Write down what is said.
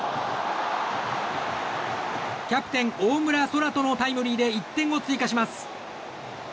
キャプテン大村昊澄のタイムリーで１点を追加します。